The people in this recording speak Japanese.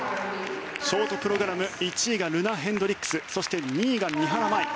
ショートプログラム１位がルナ・ヘンドリックスそして、２位が三原舞依